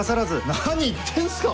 何言ってんすか。